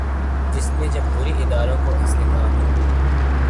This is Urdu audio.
جس نے جمہوری اداروں کو استحکام